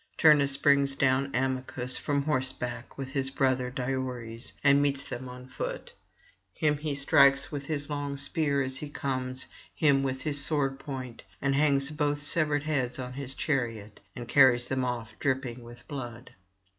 Turnus brings down Amycus from horseback with his brother Diores, and meets them on foot; him he strikes with his long spear as he comes, him with his sword point, and hangs both severed heads on his chariot and carries them off dripping with blood.